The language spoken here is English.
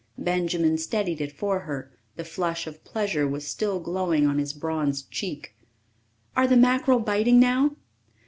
Benjamin steadied it for her; the flush of pleasure was still glowing on his bronzed cheek, "Are the mackerel biting now?"